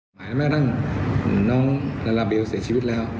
หมายแม้ทั้งน้องลาลาเบลเสียชีวิตแล้ว